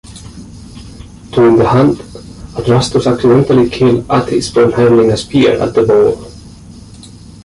During the hunt, Adrastus accidentally killed Atys when hurling a spear at the boar.